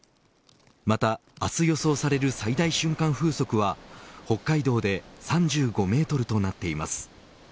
また明日予想される最大瞬間風速は北海道で３５メートルとなっています。